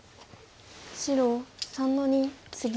白３の二ツギ。